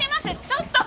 ちょっと！